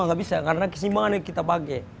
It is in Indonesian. nggak bisa karena kesimbangan yang kita pakai